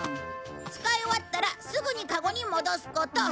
使い終わったらすぐにかごに戻すこと。